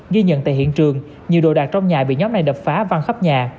ghi nhận tại hiện trường nhiều đồ đạc trong nhà bị nhóm này đập phá văn khắp nhà